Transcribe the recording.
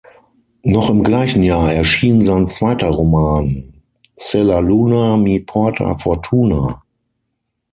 Noch im gleichen Jahr erschien sein zweiter Roman "Se la luna mi porta fortuna".